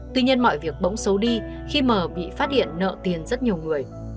tuy nhiên mọi việc bỗng xấu đi khi mờ bị phát hiện nợ tiền rất nhiều người